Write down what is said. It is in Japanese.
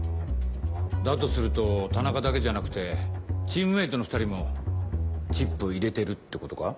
だとすると田中だけじゃなくてチームメートの２人もチップを入れてるってことか？